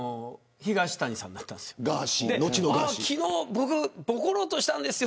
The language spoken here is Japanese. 東谷さんだったんですよ。